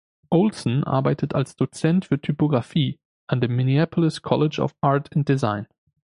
Olsen arbeitet als Dozent für Typographie an dem Minneapolis College of Art and Design.